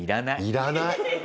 要らない。